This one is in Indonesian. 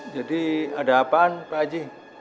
jadi ada apaan pak gaji